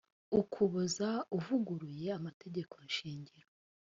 ukuboza uvuguruye amategeko shingiro